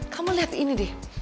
kamu lihat ini deh